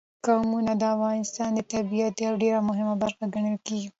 قومونه د افغانستان د طبیعت یوه ډېره مهمه برخه ګڼل کېږي.